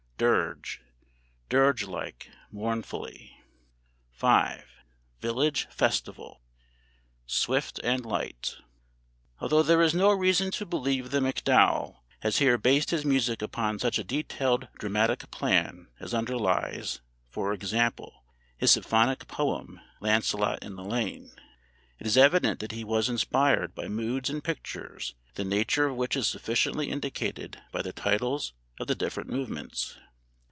"DIRGE" ("Dirgelike, mournfully") 5. "VILLAGE FESTIVAL" ("Swift and light") Although there is no reason to believe that MacDowell has here based his music upon such a detailed dramatic plan as underlies, for example, his symphonic poem "Lancelot and Elaine" (see pages 191 194), it is evident that he was inspired by moods and pictures the nature of which is sufficiently indicated by the titles of the different movements.